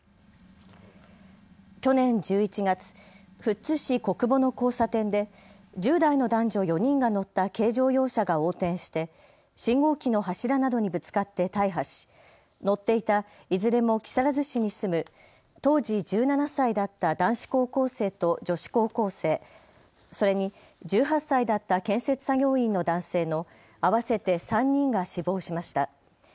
去年１１月、富津市小久保の交差点で１０代の男女４人が乗った軽乗用車が横転して信号機の柱などにぶつかって大破し乗っていたいずれも木更津市に住む当時１７歳だった男子高校生と女子高校生、それに１８歳だった建設作業員の男性の合わせて３人が死亡しました。